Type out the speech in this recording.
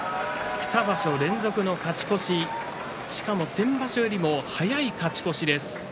２場所連続の勝ち越ししかも先場所よりも早い勝ち越しです。